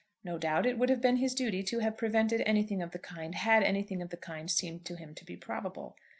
No doubt it would have been his duty to have prevented anything of the kind, had anything of the kind seemed to him to be probable.